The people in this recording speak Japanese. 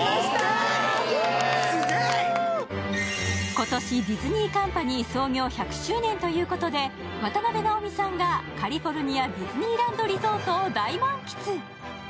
今年ディズニーカンパニー創業１００周年ということで渡辺直美さんがカリフォルニア・ディズニーランド・リゾートを大満喫。